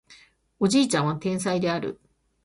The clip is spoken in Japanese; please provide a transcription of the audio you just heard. おじいちゃんは天才である